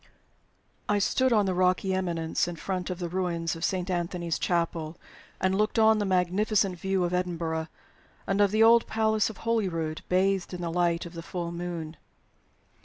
I STOOD on the rocky eminence in front of the ruins of Saint Anthony's Chapel, and looked on the magnificent view of Edinburgh and of the old Palace of Holyrood, bathed in the light of the full moon.